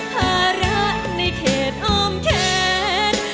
ภาระในเขตอ้อมแขน